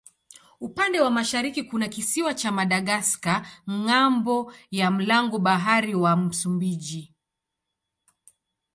Upande wa mashariki kuna kisiwa cha Madagaska ng'ambo ya mlango bahari wa Msumbiji.